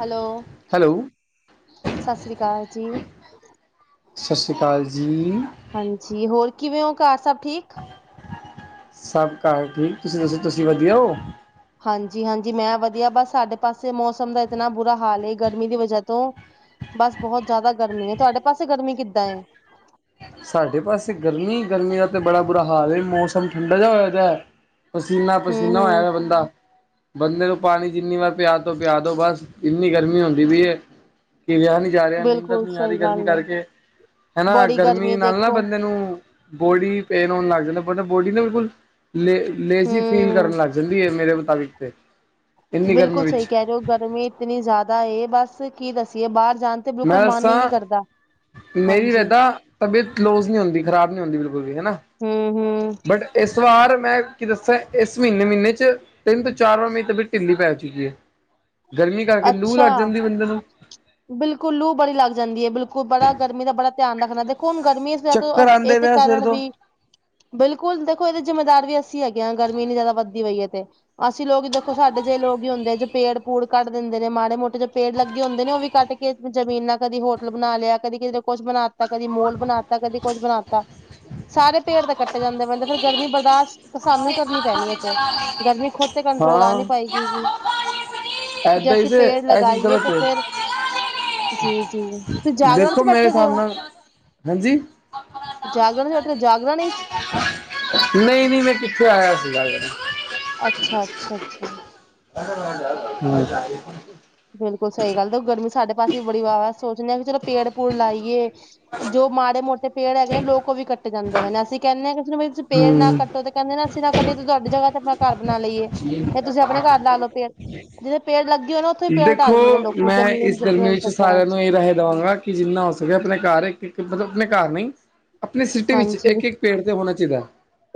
Hello hello ਸਤਿ ਸ੍ਰੀ ਅਕਾਲ ਜੀ ਸਤਿ ਸ਼੍ਰੀ ਅਕਾਲ ਜੀ ਹਾਂਜੀ ਹੋਰ ਕਿਵੇਂ ਔ, ਘਾਰ ਸਭ ਠੀਕ ਸਭ ਘਾਰ ਠੀਕ ਤੁਸੀਂ ਦੱਸੋ ਤੁਸੀਂ ਵਧੀਆ ਹੋ ਹਾਂਜੀ ਹਾਂਜੀ ਮੈਂ ਵਧੀਆ, ਬਸ ਸਾਡੇ ਪਾਸੇ ਮੌਸਮ ਦਾ ਇਤਨਾ ਬੁਰਾ ਹਾਲ ਗਰਮੀ ਦੀ ਵਜ੍ਹਾ ਤੋਂ ਬਸ ਬਹੁਤ ਜਿਆਦਾ ਗਰਮੀਂ ਹੈ, ਤੁਹਾਡੇ ਪਾਸੇ ਗਰਮੀਂ ਕਿੱਦਾਂ ਏ ਸਾਡੇ ਪਾਸੇ ਗਰਮੀਂ ਗਰਮੀਂ ਦਾ ਤਾਂ ਬੜਾ ਬੁਰਾ ਹਾਲ ਮੌਸਮ ਠੰਡਾ ਜਿਹਾ ਹੋਇਆ ਦਾ ਐ ਪਸੀਨਾ ਹਮ ਪਸੀਨਾ ਹੋਇਆ ਹਮ ਪਿਆ ਬੰਦਾ ਬੰਦੇ ਨੂੰ ਪਾਣੀ ਜਿੰਨੀ ਵਾਰ ਪਿਆ ਦੋ ਪਿਆ ਦੋ ਬਸ ਇੰਨੀ ਗਰਮੀਂ ਹੁੰਦੀ ਪਈ ਹੈ, ਕਿ ਰਿਹਾ ਨੀ ਜਾ ਰਿਹਾ, ਨੀਂਦਰ ਬਿਲਕੁਲ ਨਹੀਂ ਆ ਸਹੀ ਰਹੀ ਗਰਮੀਂ ਗੱਲ ਹੈ ਕਰਕੇ, ਹੈਨਾ ਬੜੀ ਗਰਮੀਂ ਗਰਮੀ ਦੇਖੋ ਮੈਂਨੂੰ ਬੋਡੀ ਪੇਨ ਹੋਣ ਲੱਗ ਜਾਂਦਾ, ਪਤਾ ਬੋਡੀ ਨਾ ਬਿਲਕੁੱਲ ਲੇਜ਼ੀ ਲੇਜ਼ੀ ਫੀਲ ਹਮ ਕਰਨ ਲੱਗ ਜਾਂਦੀ ਹੈ, ਮੇਰੇ ਮੁਤਾਬਿਕ ਤੇ ਇੰਨੀ ਗਰਮੀ ਬਿਲਕੁੱਲ ਸਹੀ ਵਿੱਚ ਕਹਿ ਰਹੇ ਹੋ ਗਰਮੀਂ ਇਤਨੀ ਜ਼ਿਆਦਾ ਏ, ਬਸ ਫਿਰ ਕੀ ਦੱਸੀਏ ਬਾਹਰ ਜਾਣ ਤੇ ਬਿਲਕੁਲ ਮੈਂ ਮਨ ਹੀ ਨਹੀਂ ਦੱਸਾਂ ਕਰਦਾ ਮੇਰੀ ਵੀ ਹਾਂਜੀ ਇਦਾਂ ਤਬੀਅਤ ਲੋਜ਼ ਨਹੀਂ ਹੁੰਦੀ ਖਰਾਬ ਨਹੀਂ ਹੁੰਦੀ ਬਿਲਕੁੱਲ ਵੀ ਹੈਨਾ ਹੂ ਹੂ ਬੱਟ ਇਸ ਵਾਰ ਮੈਂ ਕੀ ਦੱਸਾਂ, ਇਸ ਮਹੀਨੇ ਮਹੀਨੇ 'ਚ ਤਿੰਨ ਤੋਂ ਚਾਰ ਵਾਰ ਮੇਰੀ ਤਬੀਅਤ ਢਿੱਲੀ ਪੈ ਚੁੱਕੀ ਏ, ਗਰਮੀਂ ਕਰਕੇ ਲੂ ਲੱਗ ਜਾਂਦੀ ਬੰਦੇ ਨੂੰ। ਬਿਲਕੁੱਲ ਲੂ ਬੜੀ ਲੱਗ ਜਾਂਦੀ ਏ, ਬਿਲਕੁ ਬੜਾ ਗਰਮੀਂ ਦਾ ਬੜਾ ਧਿਆਨ ਰੱਖਣਾ ਹੁਣ ਗਰਮੀ ਆ ਤੇ ਚੱਕਰ ਆਉਂਦੇ ਇਹਦੇ ਪਏ ਸਿਰ ਕਾਰਨ ਤੋਂ ਵੀ, ਬਿਲਕੁੱਲ ਦੇਖੋ ਇਹਦੇ ਜ਼ਿੰਮੇਦਾਰ ਵੀ ਅਸੀਂ ਅਸੀਂ ਹੈਗੇ ਆ, ਗਰਮੀ ਇਨੀ ਜ਼ਿਆਦਾ ਵੱਧਦੀ ਪਈ ਤੇ। ਅਸੀਂ ਲੋਕ ਈ ਦੇਖੋ ਸਾਡੇ ਜਿਹੇ ਲੋਕ ਈ ਹੁੰਦੇ, ਜੋ ਪੇੜ-ਪੂੜ ਕੱਢ ਦਿੰਦੇ ਨੇ, ਮਾੜੇ-ਮੋਟੇ ਜੋ ਪੇੜ ਲੱਗੇ ਹੁੰਦੇ ਨੇ ਉਹ ਵੀ ਕੱਟ ਕੇ ਜ਼ਮੀਨਾਂ, ਕਦੀ ਹੋਟਲ ਬਣਾ ਲਿਆ, ਕਦੀ ਕਿਸੇ ਨੇ ਕੁੱਛ ਬਣਾਤਾ, ਕਦੀ ਮੋਲ ਬਣਾਤਾ, ਕਦੀ ਕੁੱਛ ਬਣਾਤਾ। ਸਾਰੇ ਪੇੜ ਤੇ ਕੱਟੇ ਜਾਂਦੇ ਪਏ, ਫਿਰ ਗਰਮੀਂ ਬਰਦਾਸ਼ਤ ਸਾਨੂੰ ਈ ਕਰਨੀ ਪੈਣੀ ਏ ਫੇਰ, ਗਰਮੀਂ ਖੁਦ ਤੇ ਕੰਟਰੋਲ ਆ ਹਾਂ। ਨੀ ਪਾਏਗੀ ਜੀ। ਜੇ ਏਦਾਂ ਹੀ ਅਸੀੇ ਤੇ ਪੇੜ ਇਹ ਚੀਜ਼ ਲਗਾਈਏ ਗਲਤ ਤੇ ਹੈ। ਫਿਰ ਜੀ-ਜੀ, ਤੁਸੀਂ ਜਾਗਰਣ ਦੇਖੋ 'ਚ ਮੇਰੇ ਬੈਠੇ ਜੇ? ਹਿਸਾਬ ਨਾਲ ਹਾਂਜੀ ਜਾਗਰਣ ਮੇ ਬੇਠੇ, ਜਾਗਰਣ 'ਚ। ਨਹੀਂ-ਨਹੀਂ ਮੈਂ ਕਿੱਥੇ ਆਇਆ ਸੀਗਾ। ਜ਼ਰੀ ਅੱਛਾ-ਅੱਛਾ-ਅੱਛਾ। ਹ [unintelligible] ਬਿਲਕੁੱਲ ਸਹੀ ਗੱਲ, ਦੇਖੋ ਗਰਮੀਂ ਸਾਡੇ ਪਾਸੇ ਵੀ ਬੜੀ ਵਾਹਵਾ, ਸੋਚਨੇ ਆ ਕਿ ਚਲੋ ਪੇੜ-ਪੂੜ ਲਾਈਏ। ਜੋ ਮਾੜੇ-ਮੋਟੇ ਪੇੜ ਹੈਗੇ ਨੇ, ਲੋਕ ਉਹ ਵੀ ਕੱਟੀ ਜਾਂਦੇ ਵੇ, ਅਸੀਂ ਕਹਿੰਨੇ ਵੀ ਤੁਸੀਂ ਪੇੜ ਨਾ ਹਮ। ਕੱਟੋ ਤੇ ਕਹਿੰਦੇ ਨੇ ਅਸੀਂ ਤੇ ਕਦੇ ਦੀ ਤੁਹਾਡੀ ਜਗ੍ਹਾ ਤੇ ਮੈਂ ਘਰ ਬਣਾ ਲਈਏ, ਫੇਰ ਤੁਸੀਂ ਆਪਣੇ ਘਰ ਲਾ ਲੋ ਪੇੜ। ਜਿਵੇਂ ਪੇੜ ਲੱਗੇ ਹੋਏ ਨੇ ਉੱਥੇ ਪੇੜ ਹਟਾ ਦੇਖੋ, ਦਿੰਦੇ ਨੇ ਲੋਕੀ ਮੈਂ ਜ਼ਮੀਨ ਇਸ ਗਰਮੀ 'ਚ ਚੱਕਰਾਂ ਸਾਰਿਆਂ ਨੂੰ ਇਹ ਰਹਿ ਦੇਵਾਂਗਾ ਕਿ ਜਿੰਨਾ ਹੋ ਸਕੇ, ਆਪਣੇ ਘਰ ਇੱਕ-ਇੱਕ ਮਤਲਬ ਆਪਣੇ ਘਰ ਨਹੀਂ, ਆਪਣੀ ਸਿਟੀ ਵਿੱਚ ਇੱਕ-ਇੱਕ ਪੇੜ ਤੇ ਹੋਣਾ ਚਾਹੀਦਾ।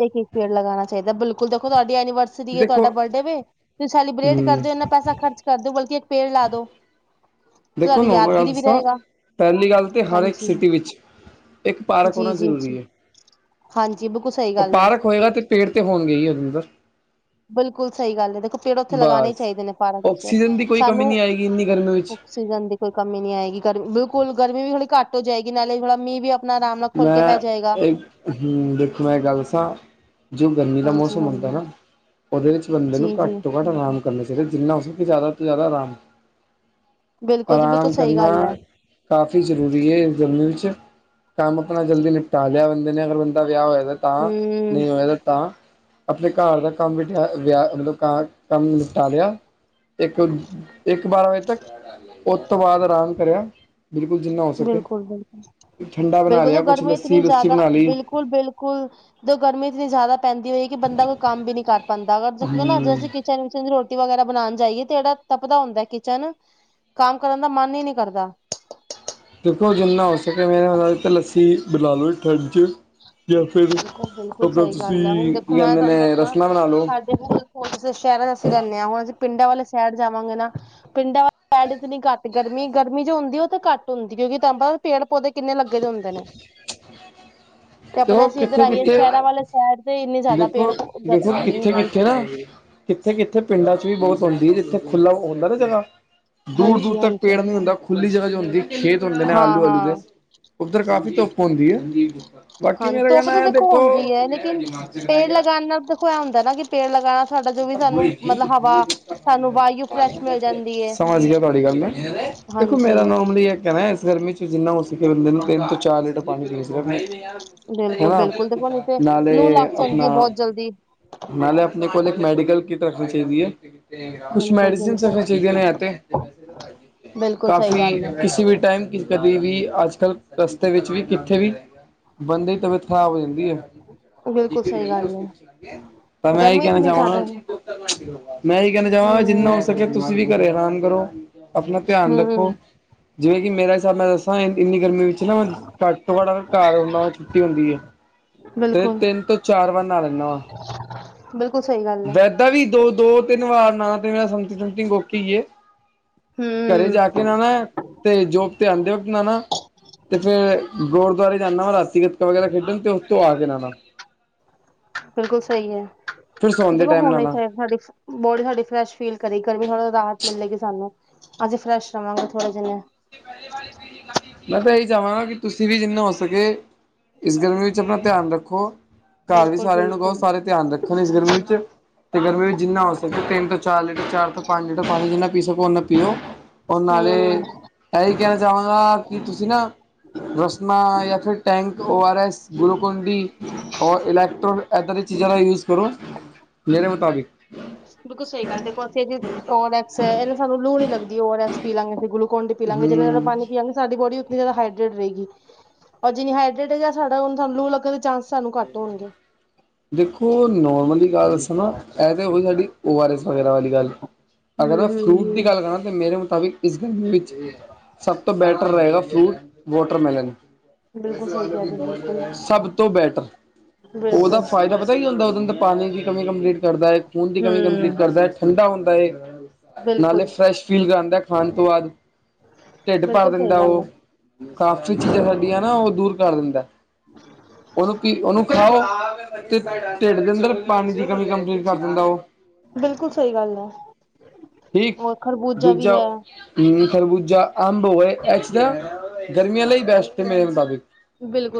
ਇੱਕ-ਇੱਕ ਪੇੜ ਲਗਾਣਾਂ ਚਾਹੀਦਾ ਬਿਲਕੁਲ ਦੇਖੋ ਤੁਹਾਡੀ ਐਨੀਵਰ ਸਰੀ ਏ, ਦੇਖੋ ਤੁਹਾਡਾ ਬਡੇ ਵੇ, ਤੁਹੀ ਸੈਲੀਬ੍ਰੇਟ ਹਮ ਕਰਦੇ ਓ, ਇਨਾ ਪੈਸਾ ਖ਼ਰਚ ਕਰਦੇ ਹੋ, ਬਲਕਿ ਇੱਕ ਪੇੜ ਲਾ ਦੋ। ਦੇਖੋ ਤੁਹਾਡੀ ਮੈਂ ਗੱਲ ਯਾਦਗਿਰੀ ਵੀ ਦੱਸਾਂ, ਰਹੇਗਾ ਪਹਿਲੀ ਗੱਲ ਤੇ ਹਰ ਇੱਕ ਹਾਂਜੀ ਹਾਂ, ਸਿਟੀ ਵਿੱਚ ਇੱਕ ਪਾਰਕ ਜੀ ਹੋਣਾ ਜੀ ਜੀ ਜ਼ਰੂਰੀ ਏ। ਹਾਂਜੀ, ਬਿਲਕੁਲ ਸਹੀ ਉਹ ਗੱਲ ਹੈ। ਪਾਰਕ ਹੋਏਗਾ ਤੇ ਪੇੜ ਤੇ ਹੋਣਗੇ ਈ ਅੰਦਰ। ਬਿਲਕੁਲ ਸਹੀ ਗੱਲ ਏ, ਦੇਖੋ ਪੇੜ ਉੱਥੇ ਲਗਾਣੇ ਬਸ ਚਾਹੀਦੇ ਨੇ, ਪਾਰਕ ਵਿੱਚ ਆਕਸੀਜਨ ਦੀ ਕੋਈ ਕਮੀ ਸਾਨੂੰ ਨਹੀਂ ਆਏਗੀ ਇੰਨੀ ਗਰਮੀ ਵਿੱਚ ਆਕਸੀਜਨ ਦੀ ਕੋਈ ਕਮੀ ਨੀ ਆਏਗੀ, ਗਰਮ ਬਿਲਕੁਲ ਗਰਮੀ ਵੀ ਹੋੜੀ ਘੱਟ ਹੋ ਜਾਏਗੀ, ਨਾਲੇ ਥੋੜਾ ਮੀਹ ਵੀ ਆਪ ਮੈਂ ਇੱਕ ਹੂੰ, ਦੇਖੋ ਮੈਂ ਇੱਕ ਗੱਲ ਦੱਸਾਂ ਜੋ ਗਰਮੀ ਦਾ ਹਾਂਜੀ ਮੌਸਮ ਹੁੰਦਾ ਹਾਂਜੀ ਨਾ, ਉਹਦੇ ਵਿੱਚ ਬੰਦੇ ਨੂੰ ਜੀ ਜੀ ਘੱਟ ਬਟ ਆਰਾਮ ਕਰਨਾ ਚਾਹੀਦਾ, ਜਿੰਨਾ ਹੋ ਸਕੇ ਜ਼ਿਆਦਾ ਤੋਂ ਜ਼ਿਆਦਾ ਆਰਾਮ ਬਿਲਕੁਲ ਜੀ ਬਿਲਕੁਲ ਆਰਾਮ ਸਹੀ ਕਰਨਾ ਗੱਲ ਹੈ ਕਾਫ਼ੀ ਜ਼ਰੂਰੀ ਏ, ਇਸ ਗਰਮੀ 'ਚ ਕੰਮ ਆਪਣਾ ਜਲਦੀ ਨਿਪਟਾ ਲਿਆ ਬੰਦੇ ਨੇ, ਅਗਰ ਬੰਦਾ ਵਿਆਹ ਹੋਇਆ ਦਾ ਤਾਂ, ਹਮ ਨਹੀਂ ਹੋਇਆ ਦਾ ਤਾਂ ਆਪਣੇ ਘਰ ਦਾ ਕੰਮ ਬਠਿਆ ਵਿਆਹ, ਮਤਲਬ ਕੰਮ ਨਿਪਟਾ ਲਿਆ ਇੱਕ-ਇੱਕ ਬਾਰਾਂ ਵਜੇ ਤੱਕ, ਉਹ ਤੋਂ ਬਾਅਦ ਆਰਾਮ ਕਰਿਆ ਬਿਲਕੁਲ, ਜਿੰਨਾ ਹੋ ਸਕੇ ਕੋਈ ਗੱਲ ਤੇ ਨੀ। ਠੰਡਾ ਬਣਾ ਲਿਆ, ਕੁਛ ਲੱਸੀ-ਲੁੱਸੀ ਬਣਾ ਲੀ। ਹੁਣ ਬਿਲਕੁਲ, ਜੇ ਗਰਮੀ ਇਤਨੀ ਜ਼ਿਆਦਾ ਪੈਂਦੀ ਹੋਏ ਕਿ, ਬੰਦਾ ਕੋਈ ਕੰਮ ਵੀ ਨੀ ਕਰ ਪਾਂਦਾ ਐਗਾ, ਜੇ ਖੀਏ ਨਾ ਜੇ ਹਮ ਅਸੀਂ ਕਿਚਨ 'ਚ ਨੀ ਰੋਟ ਟੀ ਵਗੈਰਾ ਬਣਾਂਣ ਜਾਈਏ ਤੇ ਜਿਹੜਾ ਤਪਦਾ ਹੁੰਦਾ ਏ ਕਿਚਨ, ਕੰਮ ਕਰਨ ਦਾ ਮਨ ਈ ਨੀ ਕਰਦਾ ਦੇਖੋ ਜਿੰਨਾ ਹੋ ਸਕੇ, ਮੈਂ ਉਹ ਦੇ ਲੱਸੀ ਬਣਾ ਲੀ, ਠੰਡ 'ਚ ਜਾਂ ਫਿਰ ਬਿਲਕੁਲ ਬਿਲਕੁਲ ਆਪਣਾ ਸਹੀ ਗੱਲ ਹੈ ਹੁਣ ਤੁਸੀਂ, ਕੀ ਦੇਖੋ ਮੈਂ ਕਹਿੰਦੇ ਤੁਹਾਨੂੰ ਨੇ ਦੱਸਾਂ ਰਸਲਾਂ ਬਣਾ ਲੋ। ਸਾਡੇ ਹੁਣ ਅਸੀਂ ਸ਼ਹਿਰਾਂ 'ਚ ਅਸੀਂ ਰਹਿੰਦੇ ਆ, ਹੁਣ ਅਸੀਂ ਪਿੰਡਾਂ ਵਾਲੇ ਸ਼ਹਿਰ ਜਾਵਾਂਗੇ ਨਾ, ਪਿੰਡਾਂ ਆ ਐਡ 'ਚ ਨੀ ਘੱਟ ਗਰਮੀ ਗਰਮੀ ਜੋ ਹੁੰਦੀ ਉਹ ਤਾਂ ਘੱਟ ਹੁੰਦੀ ਕਿਉਂਕਿ ਤੁਹਾਨੂੰ ਪਤਾ ਪੇੜ ਪੌਦੇ ਕਿੰਨੇ ਲੱਗੇ ਦੇ ਹੁੰਦੇ ਨੇ [inaudible] ਤੇ ਆਪਣੇ ਉਹ ਅਸੀਂ ਇੱਧਰ ਕਿੱਥੇ- ਆਈਏ ਕਿੱਥੇ, ਸ਼ਹਿਰਾਂ ਵਾਲੇ ਸਾਈਡ ਤੇ ਇੰਨੇ ਜ਼ਿਆਦਾ ਪੇੜ ਦੇਖੋ, ਹੈ ਦੇਖੋ ਹੀ ਨਹੀਂ ਕਿੱਥੇ- ਕਿੱਥੇ ਹਾਂਜੀ ਨਾ ਕਿੱਥੇ- ਕਿੱਥੇ ਪਿੰਡਾਂ 'ਚ ਵੀ ਬਹੁਤ ਹੁੰਦੀ ਹੈ ਜਿੱਥੇ ਖੁੱਲ੍ਹਾ ਆਉਂਦਾ ਨਾ ਜਗ੍ਹਾ ਦੂਰ- ਦੂਰ ਹਾਂਜੀ ਤੱਕ ਹਾਂਜੀ ਪੇੜ ਨੀ ਹੁੰਦਾ ਖੁੱਲੀ ਜਗ੍ਹਾ ਜਿਹੀ ਹੁੰਦੀ ਖੇਤ ਹੁੰਦੇ ਨੇ ਹਾਂ ਆਲੂ -ਆਲੂ ਦੇ ਹਾਂ ਉੱਧਰ ਕਾਫ਼ੀ ਧੁੱਪ ਹੁੰਦੀ ਹੈ ਏ ਹਾਂ ਧੁੱਪ ਤਾਂ ਦੇਖੋ ਹੁੰਦੀ ਹੈ ਲੇਕਿਨ ਪੇੜ ਦੇਖੋ ਲਗਾ ਨਾਲ ਦੇਖੋ ਆ ਹੁੰਦਾ ਨਾ ਕਿ ਪੇੜ ਲਗਾਣਾ ਸਾਡਾ ਜੋ ਵੀ ਸਾਨੂੰ ਮਤਲਬ ਹਵਾ ਸਾਨੂੰ ਵਾਹਯੂ ਫਰੈਸ਼ ਮਿਲ ਜਾਂਦੀ ਹੈ ਏ ਸਮਝ ਗਿਆ ਤੁਹਾਡੀ ਗੱਲ ਮੈਂ ਦੇਖੋ ਮੇਰਾ ਨੋਰਮਲੀ ਕਹਿਣਾ ਇਸ ਗਰਮੀ 'ਚ ਜਿੰਨਾ ਹੋ ਸਕਿਆ ਬੰਦੇ ਨੂੰ ਤਿੰਨ ਤੋਂ ਚਾਰ ਲੀਟਰ ਪਾਣੀ ਪੀ ਸਕਣ ਰ ਬਿਲਕੁਲ ਹਨਾ ਬਿਲਕੁਲ ਦੇਖੋ ਨਹੀਂ ਤੇ ਲੂ ਨਾਲੇ ਲੱਗ ਜਾਂਦੀ ਆਪਣਾ ਹੈ ਬਹੁਤ ਜਲਦੀ ਨਾਲੇ ਆਪਣੇ ਕੋਲ ਇੱਕ ਮੈਡੀਕਲ ਕਿਟ ਰੱਖਣੀ ਚਾਹੀਦੀ ਹੈ ਕੁਛ ਬਿਲਕੁਲ ਮੈਡੀਸਨ ਬਿਲਕੁਲ ਰਖਣੀਆ ਚਾਹੀਦੀਆਂ ਅਤੇ ਬਿਲਕੁਲ ਸਹੀ ਕਾਫੀ ਗੱਲ ਹੈ ਕਿਸੀ ਵੀ ਟਾਈਮ ਕਿਸੇ ਕਦੀ ਵੀ ਅੱਜ ਕੱਲ੍ਹ ਰਸਤੇ ਵਿੱਚ ਵੀ ਕਿੱਥੇ ਵੀ ਬੰਦੇ ਦੀ ਤਬੀਅਤ ਖ਼ਰਾਬ ਹੋ ਜਾਂਦੀ ਹੈ ਬਿਲਕੁਲ ਸਹੀ ਗੱਲ ਹੈ ਏ [unintelligible] ਤਾਂ ਮੈਂ ਇਹੀ ਗਰਮੀ ਕਹਿਣਾ ਇਤਨੀ ਜ਼ਿਆਦਾ ਹੈ ਚਾਹਵਾਂਗਾ ਮੈਂ ਇਹੀ ਕਹਿਣਾ ਚਾਹਵਾਂਗਾ ਹਮ ਜਿੰਨਾ ਹੋ ਸਕੇ ਤੁਸੀਂ ਵੀ ਘਰੇ ਆਰਾਮ ਕਰੋ ਆਪਣਾ ਧਿਆਨ ਰੱਖੋ ਹਮ ਜਿਵੇਂ ਕਿ ਮੇਰਾ ਹਿਸਾਬ ਮੈਂ ਦੱਸ ਤਾਂ ਇੰਨੀ ਗਰਮੀ ਵਿੱਚ ਨਾ ਘੱਟ ਤੋਂ ਘੱਟ ਘਰ ਹੁੰਦਾ ਵਾ ਛੁੱਟੀ ਹੁੰਦੀ ਹੈ ਤੇ ਬਿਲਕੁਲ ਤਿੰਨ ਤੋਂ ਚਾਰ ਵਾਰ ਨਾ ਲੈਂਦਾ ਵਾ ਬਿਲਕੁਲ ਸਹੀ ਗੱਲ ਹੈ। ਤਵੀ ਦੋ ਦੋ ਤਿੰਨ ਵਾਰ ਨ ਤੇ ਮੇਰਾ ਸਮਤੀ ਸੁਤੀ ਗੋਖੀ ਏ ਘਰੇ ਹਮ ਜਾ ਕੇ ਨਾ-ਨਾ ਤੇ ਜੋਬ ਤੇ ਆਉਂਦੇ ਹੋ ਅਪਣਾ-ਨਾ ਤੇ ਫੇਰ ਗੁਰਦੁਆਰੇ ਜਾਂਦਾ ਵ ਰਾਤੀ ਗਤਕਾ ਵਗੈਰਾ ਖੇਡਣ ਤੇ ਉੱਥੋਂ ਆ ਕੇ ਨਾਉਣਾ ਬਿਲਕੁਲ ਸਹੀ ਹੈ। ਫਿਰ ਸੌਣ ਦੇ ਦੇਖੋ ਟਾਈਮ ਹੋਣਾ ਹੀ ਨਾਨਾ। ਚਾਹੀਦਾ। ਸਾਡੇ ਬੋਡੀ ਸਾਡੀ ਫਰੈਸ਼ ਫੀਲ ਕਰੇਗੀ। ਗਰਮੀ ਥੋੜਾ ਰਾਹਤ ਮਿਲੇਗੀ। ਸਾਨੂੰ ਅਸੀਂ ਫਰੈਸ਼ ਰਹਾਂਗੇ ਥੋੜੇ ਜਿੰਨੇ ਮੈਂ ਤਾਂ ਇਹੀ ਚਾਹਵਾਂਗਾ ਕਿ ਤੁਸੀਂ ਵੀ ਜਿੰਨੇ ਹੋ ਸਕੇ ਇਸ ਗਰਮੀ ਵਿੱਚ ਆਪਣਾ ਧਿਆਨ ਰੱਖੋ। ਘਰ ਵੀ ਬਿਲਕੁਲ ਸਾਰਿਆਂ ਨੂੰ ਕਹੋ ਬਿਲਕੁਲ ਸਾਰੇ ਧਿਆਨ ਰੱਖਣ ਇਸ ਗਰਮੀ ਵਿੱਚ ਤੇ ਗਰਮੀ ਵਿੱਚ ਜਿੰਨਾ ਹੋ ਸਕੇ। ਤਿੰਨ ਤੋਂ ਚਾਰ ਲੀਟਰ ਚਾਰ ਤੋਂ ਪੰਜ ਲੀਟਰ ਪਾਣੀ ਜਿੰਨਾ ਪੀ ਸਕੋ ਓਨਾ ਪੀਓ ਔਰ ਨਾਲੇ ਹਮ ਇਹੀ ਕਹਿਣਾ ਚਾਹਵਾਂਗਾ। ਕੀ ਤੁਸੀਂ ਨਾ ਰਸਨਾਂ ਜਾਂ ਫਿਰ Tang O R S Glucon D, electrode ਏਦਾਂ ਦੀ ਚੀਜ਼ਾਂ ਦਾ ਯੂਜ਼ ਕਰੋ। ਮੇਰੇ ਮੁਤਾਬਿਕ ਬਿਲਕੁਲ ਸਹੀ ਗੱਲ ਤੇ ਅਸੀ ਓ ਐਕਸ ਹੈ ਇਹ ਸਾਨੂੰ ਲੂ ਨੀ ਲੱਗਦੀ ਓ ਐਕਸ ਪੀ ਲਾਂਗੇ ਗਲੂਕੋਨ ਡੀ ਲਾਂਗੇ ਜਿੰਨਾ ਜ਼ਿਆਦਾ ਹੂੰ ਪਾਣੀ ਪੀਵਾਂਗੇ ਸਾਡੀ ਬੋਡੀ ਤੇ ਜਿਆਦਾ ਹਾਈਡਰੇਟ ਰਹੇਗੀ। ਔਰ ਜਿੰਨੀ ਹਾਈਡਰੇਟ ਸਾਡਾ ਲੂ ਲੱਗਣ ਦੇ ਚਾਂਸ ਸਾਨੂੰ ਘੱਟ ਹੋਣਗੇ। ਦੇਖੋ ਨੋਰਮਲੀ ਗੱਲ ਦੱਸਾ ਨਾ, ਇਹ ਤਾਂ ਹੋਈ ਸਾਡੀ ਓ਼ਆਰ ਐਸ ਵਗੈਰਾ ਵਾਲੀ ਗੱਲ ਹੂੰ ਅਗਰ ਮੈਂ ਹੂੰ ਫਰੂਟ ਦੀ ਹੂੰ। ਗੱਲ ਕਰਾਂ ਤਾਂ ਮੇਰੇ ਮੁਤਾਬਿਕ ਇਸ ਗਰਮੀ ਵਿੱਚ ਸਭ ਤੋਂ ਬੈਟਰ ਹੈਗਾ। Fruit watermelon. ਬਿਲਕੁਲ ਸਹੀ ਕਹਿ ਰਹੇ ਬਿਲਕੁਲ ਸਭ ਤੋਂ ਬੈਟਰ ਉਹਦਾ ਬਿਲਕੁਲ ਫਾਇਦਾ ਪਤਾ ਕੀ ਹੁੰਦਾ। ਉਹਦੇ ਅੰਦਰ ਪਾਣੀ ਦੀ ਕਮੀ ਕੰਪਲੀਟ ਕਰਦਾ ਹੈ। ਖੂਨ ਦੀ ਕਮੀ ਕੰਪਲੀਟ ਹੂੰ ਕਰਦਾ ਹੈ। ਠੰਡਾ ਹੁੰਦਾ ਹੈ। ਨਾਲੇ ਬਿਲਕੁਲ ਫਰੈਸ਼ ਫੀਲ ਕਰਾਉਂਦਾ ਖਾਣ ਤੋਂ ਬਾਅਦ ਢਿੱਡ ਭਰ ਬਿਲਕੁਲ ਸਹੀ ਦਿੰਦਾ। ਗੱਲ ਉਹ ਹੈ ਕਾਫੀ ਚੀਜ਼ਾਂ ਬਿਲਕੁਲ ਸਾਡੀਆਂ ਨਾ ਉਹ ਦੂਰ ਕਰ ਦਿੰਦਾ ਏ। ਕਿ ਉਹਨੂੰ ਖਾਓ ਤੇ ਢਿੱਡ ਦੇ ਅੰਦਰ ਪਾਣੀ ਦੀ ਕਮੀ ਕੰਪਲੀਟ ਕਰ ਦਿੰਦਾ। ਉਹ ਬਿਲਕੁਲ ਸਹੀ ਗੱਲ ਹੈ ਐ। ਠੀਕ ਹੋਰ ਖਰਬੂਜਾ ਵੀ ਦੂਜਾ ਹੈ। ਹਮ ਖਰਬੂਜਾ, ਅੰਬ ਹੋ ਐਸ ਤਰਾਂ ਗਰਮੀਆਂ ਲਈ ਬੈਸਟ ਹੈ। ਮੇਰੇ ਮੁਤਾਬਿਕ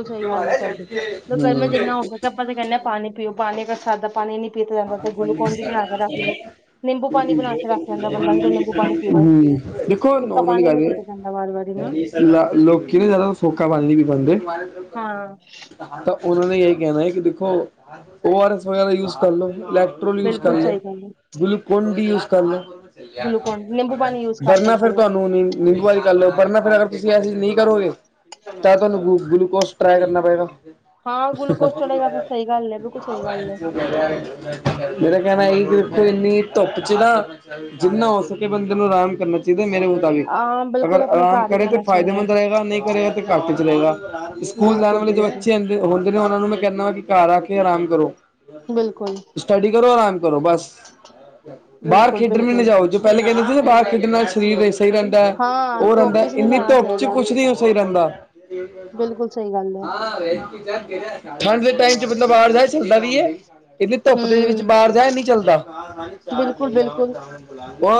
[unintelligible] ਗਰਮ ਜਿੰਨਾ ਹੋ ਸਕੇ। ਆਪਾਂ ਦੇ ਪਾਣੀ ਪੀਓ। ਪਾਣੀ ਅਰ ਸਾਦਾ ਪਾਣੀ ਨੀ ਪੀਤਾ [inaudible] ਜਾਂਦਾ ਤੇ ਗਲੂਕੋਨ ਡੀ ਬਣਾ ਕੇ ਰੱਖ ਲੋ। ਨਿੰਬੂ ਪਾਣੀ ਬਣਾ ਕੇ ਰੱਖ ਲੈਂਦਾ ਬੰਦਾ ਫਿਰ ਨਿੰਬੂ ਪਾਣੀ ਪੀ ਲੋ। ਹੂੰ ਦੇਖੋ। ਫਿੱਕਾ ਨੋਰਮਲੀ ਪਾਣੀ ਨੀ ਗੱਲ ਪੀਤਾ ਜਾਂਦਾ ਵਾਰ ਵਾਰੀ ਨਾ ਲ ਲੋਕੀ ਨਾ ਜਿਆਦਾ ਫੋਖਾ ਪਾਣੀ ਵੀ ਪਾਉਂਦੇ ਹਾਂ ਤਾਂ ਉਹਨਾਂ ਨੇ ਇਹੀ ਕਹਿਣਾ ਹੈ ਕਿ ਦੇਖੋ ਓ ਆਰ ਐਸ ਵਗੈਰਾ ਯੂਜ ਕਰ ਲੋੈ ਪੈੋਲ ਯੂਜ ਕਰ ਬਿਲਕੁਲ ਲ ਸਹੀ ਗੱਲ ਹੈ। ਗਲੂਕੋਨ ਡ ਯੂਜ ਕਰ ਲੋ ਗਲੂਕੋਨ ਨਿੰਬੂ ਪਾਣੀ ਯੂਜ ਕਰ ਵਰਨਾ ਸਕਦੇ ਫੇਰ ਹੋ ਤੁਹਾਨੂੰ ਨ [unintelligible] ਗੱਲ ਵਰਨਾ ਫਿਰ ਅਗਰ ਤੁਸੀਂ ਇਹ ਚੀਜ਼ ਨਹੀਂ ਕਰੋਗੇ। ਤਾਂ ਤੁਹਾਨੂੰ ਗਲੂਕੋਸ ਟਰਾਈ ਕਰਨਾ ਪਏਗਾ। ਹਾਂ ਗਲੂਕੋਸ [unintelligible] ਚੜੇਗਾ ਫਿਰ ਸਹੀ ਗੱਲ ਹੈ ਬਿਲਕੁਲ ਸਹੀ ਗੱਲ ਹੈ। ਮੇਰਾ ਕਹਿਣਾ ਇ ਗਰਿੱਪ ਇੰਨੀ ਧੁੱਪ ਚ ਨਾ ਜਿੰਨਾ ਹੋ ਸਕੇ ਬੰਦੇ ਨੂੰ ਆਰਾਮ ਕਰਨਾ ਚਾਹੀਦਾ। ਮੇਰੇ ਮੁਤਾਬਿਕ ਹਾਂ ਅਗਰ ਬਿਲਕੁਲ ਆਪਣੇ ਆਰਾਮ ਘਰ ਹੀ ਕਰੇ ਤਾਂ ਪੈਣਾ ਚਾਹੀਦਾ ਫ਼ਾਇਦੇਮੰਦ ਹੈ, ਰਹੇਗਾ। ਨਹੀਂ ਕਰੇਗਾ ਤੇ ਘੱਟ ਚਲੇਗਾ ਸਕੂਲ ਜਾਣ ਬਿਲਕੁਲ ਵਾਲੇ ਜੋ ਬਿਲਕੁਲ। ਬੱਚੇ ਹਨ ਹੁੰਦੇ ਨੇ ਉਹਨਾਂ ਨੂੰ ਮੈਂ ਕਹਿੰਦਾ ਵਾ ਕਿ ਘਰ ਆ ਕੇ ਆਰਾਮ ਕਰੋ। ਬਿਲਕੁਲ ਸਟੱਡੀ ਕਰੋ, ਆਰਾਮ ਕਰੋ ਬੱਸ ਬਾਹਰ ਬਿਲਕੁਲ ਖੇਡਣ ਵੀ ਨਾ ਬਿਲਕੁਲ ਜਾਓ ਜੋ ਪਹਿਲੇ ਕਹਿਦੇ ਸੀ ਨਾ ਬਾਹਰ ਖੇਡਣ ਨਾਲ ਸਰੀਰ [unintelligible] ਹੀ ਰਹਿਦਾ ਹ ਹਾਂ ਉਹ ਰਹਿੰਦਾ ਧੁੱਪ ਚ ਨਹੀਂ ਇੰਨੀ ਜਾਣਾ ਧੁੱਪ ਚ ਚਾਹੀਦਾ। ਕੁਛ ਨੀ ਉਸੇ ਰਹਿੰਦਾ ਬਿਲਕੁਲ ਸਹੀ ਗੱਲ ਹੈ ਠੰਡ ਦੇ ਟਾਈਮ ਚ ਮਤਲਬ [unintelligible] ਚੱਲਦਾ ਵੀ ਏ। ਇਨੀ ਧੁੱਪ ਹਮ ਦੇ ਵਿੱਚ ਬਾਹਰ ਜਾ ਏ ਨੀ ਚੱਲਦਾ। ਬਿਲਕੁਲ ਬਿਲਕੁਲ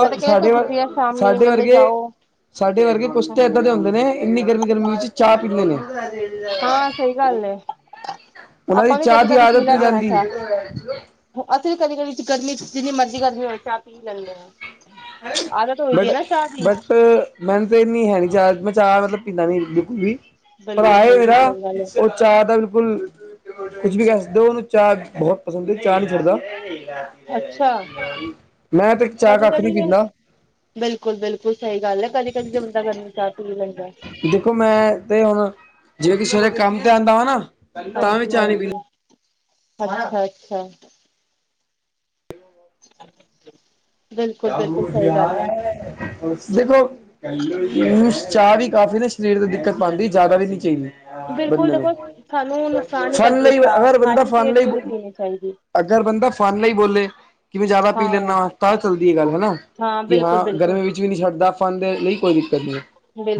ਮੈਂ ਤਾਂ ਕਹਿ ਸਾਡੇ ਧੁੱਪ ਚ ਵਰ ਪੀਆ ਸ਼ਾਮੀ ਸਾਡੇ ਵੇਲੇ ਵਰਗੇ- ਜਾਓ ਸਾਡੇ ਵਰਗੇ ਕੁਸ਼ਤੇ ਹਾਂਜੀ ਏਦਾਂ ਦੇ ਹਾਂਜੀ ਹੁੰਦੇ ਨੇ। ਇੰਨੀ ਗਰਮੀ- ਗਰਮੀ ਵਿੱਚ ਚਾਹ ਪੀ ਲੈਂਦੇ। ਹਾਂ ਸਹੀ ਗੱਲ ਏ ਉਹਨਾਂ ਦੀ ਆਪਾਂ ਵੀ ਚਾਹ ਕਦੀ ਦੀ ਕਦੀ ਆਦਤ ਪੀ ਨਹੀਂ ਲੈਂਦੇ ਹਾਂ ਜਾਂਦੀ। ਚਾਹ ਅਸੀਂ ਵੀ ਕਦੀ-ਕਦੀ ਗਰਮੀ ਚ, ਜਿੰਨੀ ਮਰਜ਼ੀ ਗਰਮੀ ਹੋਵੇ, ਚਾਹ ਪੀ ਲੈਂਦੇ ਹਾਂ। ਆਦਤ ਹੋਈ ਦੀ ਬਟ, ਹੈ ਨਾ ਚਾਹ ਦੀ ਬਟ ਮੈਨੂੰ ਤੇ ਇਨੀ ਹੈ ਨੀਂ ਚਾ, ਮੈਂ ਚਾਹ ਮਤਲਬ ਪੀਂਦਾ ਨੀ ਬਿਲਕੁਲ ਵੀ। ਭਰਾ ਬਿਲਕੁਲ ਏ ਬਿਲਕੁਲ ਮੇਰਾ, ਸਹੀ ਗੱਲ ਹੈ ਓਹ ਚਾਹ ਦਾ ਬਿਲਕੁਲ, ਕੁਛ ਵੀ ਕੈ ਸਕਦੇ ਓ। ਚਾਹ ਬਹੁਤ ਪਸੰਦ ਐ, ਚਾਹ ਨੀ ਛੱਡਦਾ। ਅੱਛਾ ਮੈਂ ਤੇ ਇੱਕ ਚਾਹ ਦਾ ਕਦੀ ਬਿਲਕੁਲ- ਬਿਲਕੁਲ, ਸਹੀ ਗੱਲ ਏ। ਕਦੇ ਕਦੀ ਤੇ ਬੰਦਾ ਘੜੀ ਮੁੜੀ ਚਾਹ ਪੀ ਲੈਂਦੈ। ਦੇਖੋ ਮੈਂ ਤੇ ਹੁਣ ਜਿਵੇਂ ਕਿ ਸਵੇਰੇ ਕੰਮ ਤੇ ਆਂਦਾ ਵਾ ਨਾ ਤਾਂ ਵੀ ਚਾਹ ਨੀ ਹਾਂਜੀ-ਹਾਂਜੀ, ਪੀਂਦਾ ਅੱਛਾ। [unintelligible] [inaudible] ਬਿਲਕੁਲ ਸਹੀ ਗੱਲ ਹੈ ਦੇਖੋ ਚਾਹ ਵੀ ਕਾਫੀ ਨਾ ਸਰੀਰ ਤੇ ਦਿੱਕਤ ਪਾਉਂਦੀ, ਜਿਆਦਾ ਵੀ ਨਹੀਂ ਚਾਹੀਦੀ। ਬਿਲਕੁਲ ਬੰਦੇ ਨੇ ਦੇਖੋ ਸਾਨੂੰ ਨੁਕਸਾਨ ਹੀ ਫਨ ਕਰਦੀ ਹੈ ਲਈ, ਚਾਹ ਅਗਰ ਬੰਦਾ ਖਾਲੀ ਫਨ ਪੇਟ ਲਈ ਵੀ ਨਹੀਂ ਪੀਣੀ ਚਾਹੀਦੀ ਅਗਰ ਬੰਦਾ ਫਨ ਲਈ ਬੋਲੇ ਕਿ ਮੈਂ ਜ਼ਿਆਦਾ ਪੀ ਹਾਂ ਲੈਂਦਾ ਤਾਂ ਚੱਲਦੀ ਹੈ ਗੱਲ, ਹਨਾ। ਕਿ ਬਿਲਕੁਲ ਹਾਂ ਬਿਲਕੁਲ ਗਰਮੀ ਵਿੱਚ ਵੀ ਨਹੀਂ ਛੱਡਦਾ। ਫਨ ਦੇ ਲਈ ਕੋਈ ਦਿੱਕਤ ਨਹੀਂ ਐ,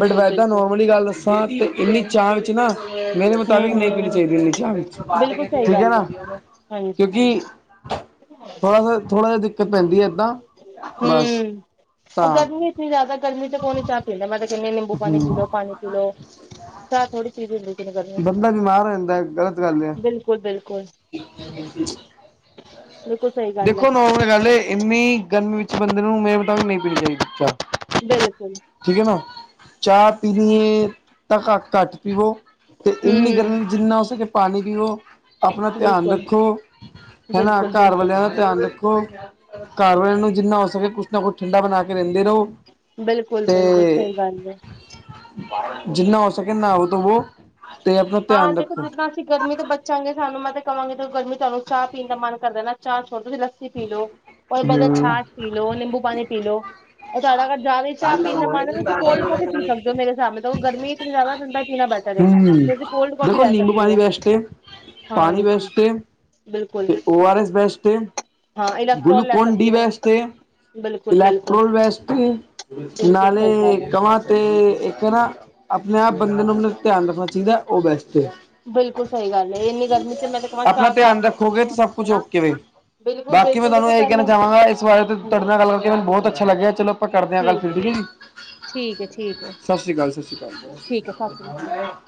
ਬਟ ਏਦਾਂ ਬਿਲਕੁਲ ਨੋਰਮਲੀ ਗੱਲ ਦਸਾਂ ਤਾਂ ਵੀ ਇੰਨੀ ਚਾਅ ਚ ਨਾ ਮੇਰੇ ਮੁਤਾਬਿਕ ਹਮ ਨਹੀਂ ਪੀਣੀ ਹਮ ਚਾਹੀਦੀ ਇੰਨੀ ਚਾ, ਬਿਲਕੁਲ ਸਹੀ ਠੀਕ ਏ ਗੱਲ ਹੈ ਨਾ। ਹਾਂਜੀ। ਕਿਉਂਕਿ ਥੋੜਾ ਸਾ, ਥੋੜਾ ਜਿਹਾ ਦਿੱਕਤ ਪੈਂਦੀ ਏਦਾਂ। ਬਸ ਹੂੰ। ਉਹ ਤਾਂ ਗਰਮੀ, ਇਤਨੀ ਜ਼ਿਆਦਾ ਗਰਮੀ ਚ ਕੌਣ ਚਾਹ ਪਿੰਦਾ। ਮੈਂ ਤੇ ਕੈਂਦੀ ਨਿੰਬੂ ਪਾਣੀ ਪੀ ਹੂੰ ਲੋ, ਪਾਣੀ ਪੀ ਲੋ। ਚਾ ਥੋੜੀ, [unintelligible] [unintelligible] ਬੰਦਾ ਬਿਮਾਰ ਹੋ ਜਾਂਦਾ ਗ਼ਲਤ ਗੱਲ ਹੈ। ਬਿਲਕੁਲ- ਬਿਲਕੁਲ। [inaudible] ਬਿਲਕੁਲ ਸਹੀ ਗੱਲ ਹੈ ਦੇਖੋ ਨੋਰਮਲ ਗੱਲ ਏ, ਇੰਨੀ ਗਰਮੀ ਵਿੱਚ ਬੰਦੇ ਨੂੰ, ਮੇਰੇ ਮੁਤਾਬਿਕ ਨਹੀਂ ਪੀਣੀ ਚਾਹੀਦੀ ਚਾਹ। ਬਿਲਕੁਲ। ਠੀਕ ਏ ਨਾ। ਚਾਹ ਪੀਣੀ ਏ, ਤਾਂ ਘੱਟ-ਘੱਟ ਪੀਵੋ। ਤੇ ਇੰਨੀ ਹਮ ਗਰਮੀ ਚ, ਜਿੰਨਾ ਹੋ ਸਕੇ, ਪਾਣੀ ਪੀਓ। ਆਪਣਾ ਧਿਆਨ ਬਿਲਕੁਲ ਰੱਖੋ, ਹੈਨਾ। ਬਿਲਕੁਲ ਘਰ ਬਿਲਕੁਲ ਵਾਲਿਆਂ ਦਾ ਧਿਆਨ ਰੱਖੋ। ਘਰ ਵਾਲਿਆਂ ਨੂੰ, ਜਿੰਨਾ ਹੋ ਸਕੇ, ਕੁਛ ਨਾ ਕੁਛ ਠੰਡਾ ਬਣਾ ਕੇ ਦੇਂਦੇ ਰਹੋ। ਬਿਲਕੁਲ-ਬਿਲਕੁਲ, ਤੇ ਸਹੀ ਗੱਲ ਏ। ਜਿੰਨਾ ਹੋ ਸਕੇ, ਨਾਓ ਧੋਵੋ। ਤੇ ਆਪਣਾ ਹਾਂ, ਧਿਆਨ ਦੇਖੋ, ਰੱਖੋ ਜਿੱਦਾਂ ਦੇਖੋ, ਅਸੀਂ ਗਰਮੀ ਤੋਂ ਬਚਾਂਗੇ ਸਾਨੂੰ, ਮੈਂ ਤਾਂ ਕਹਾਂਗੇ ਗਰਮੀ ਤੋਂ ਤੁਹਾਨੂੰ, ਚਾਹ ਪੀਣ ਦਾ ਮਨ ਕਰਦਾ ਨਾ, ਚਾਹ ਛੋੜ ਤੁਸੀਂ ਲੱਸ ਸੀ ਪੀ ਲੋ, ਓਦੇ ਬਦਲੇ ਹਮ ਛਾਛ ਪੀ ਲੋ, ਨਿੰਬੂ ਪਾਣੀ ਪੀ ਲੋ। ਉਹ ਤੁਹਾਡਾ ਅਗਰ, ਜ਼ਦਾ ਹੀ ਚਾਹ ਪੀਣ ਦਾ ਮਨ ਏ, ਤੁਸੀਂ ਕੋਲਡ ਕੋਫੀ ਪੀ ਸਕਦੇ ਹੋ, ਮੇਰੇ ਹਿਸਾਬ ਨਾਲ਼। ਦੇਖੋ ਗਰਮੀ ਜਾਦਾ ਠੰਢਾ ਹੀ ਪੀਣਾ ਬੈਟਰ ਏ। ਹਮ ਤੁਸੀਂ ਕੋਲਡ ਕੌਫੀ ਦੇਖੋ ਲੈ ਨਿੰਬੂ ਸਕਦੇ ਪਾਣੀ ਹੋ ਬੈਸਟ ਏ, ਪਾਣੀ ਹਾਂਜੀ ਬੈਸਟ ਏ ਬਿਲਕੁਲ ਤੇ ਓ ਆਰ ਐਸ ਬੈਸਟ ਏ, ਹਾਂ ਇਲੈਕਟ੍ਰੋਲ ਲੈ ਗਲੂਕੋਨ ਸਕਦੇ ਡੀ ਹੋ ਬੈਸਟ ਏ। ਬਿਲਕੁਲ ਬਿਲਕੁਲ ਇਲੈਕਟ੍ਰੋਲ ਵੈਸਟ ਈ, ਬਿਲਕੁਲ ਸਹੀ ਨਾਲੇ ਗੱਲ ਹੈ ਕਮਾਂ ਤੇ ਇੱਕ ਹੈ ਨਾ, ਆਪਣੇ ਆਪ ਬੰਦੇ ਨੂੰ, ਮਤਲਬ ਧਿਆਨ ਰੱਖਣਾ ਚਾਹੀਦਾ, ਉਹ ਬੈਸਟ ਏ। ਬਿਲਕੁਲ ਸਹੀ ਗੱਲ ਹੈ ਇੰਨੀ ਗਰਮੀ ਚ ਮੈਂ ਤਾਂ ਕਵਾਂ ਆਪਣਾ ਚਾਹ ਘੱਟ ਧਿਆਨ ਜਿੰਨੀ ਰੱਖੋਗੇ ਤੇ, ਹੋ ਸਭ ਸਕੇ ਕੁਛ ਨਾ ਓਕੇ ਵੇ। ਬਿਲਕੁਲ ਬਾਕੀ ਮੈਂ ਬਿਲਕੁਲ ਤੁਹਾਨੂੰ ਦੇਖੋ ਇਹੀ ਕੈਣਾ ਪਹਿਲੇ ਚਾਹਾਂਗਾ, ਇਸ ਬਾਰੇ ਤ, ਹਾਂਜੀ ਤੁਹਾਡੇ ਨਾਲ ਗੱਲ ਕਰਕੇ, ਮੈਨੂੰ ਬਹੁਤ ਅੱਛਾ ਲੱਗਿਆ। ਚਲੋ ਆਪਾਂ ਕਰਦੇ ਹਾਂ ਗੱਲ ਫਿਰ, ਠੀਕ ਹੈ? ਠੀਕ ਹੈ ਠੀਕ ਹੈ ਸਾਸ਼ੀ ਕਾਲ, ਸਾਸ਼ੀ ਠੀਕ ਹੈ ਸਤਿ ਸ਼੍ਰੀ ਅਕਾਲ ਕਾਲ।